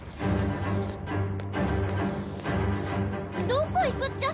どこ行くっちゃ？